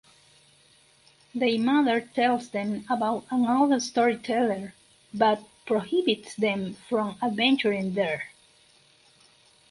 Their mother tells them about an old storyteller but prohibits them from adventuring there.